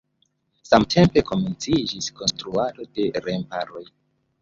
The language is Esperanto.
Samtempe komenciĝis konstruado de remparoj.